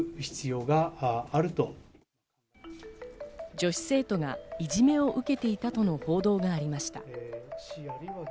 女子生徒がいじめを受けていたとの報道がありました。